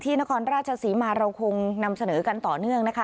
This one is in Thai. นครราชศรีมาเราคงนำเสนอกันต่อเนื่องนะคะ